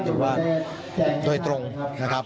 ชาวบ้านโดยตรงนะครับ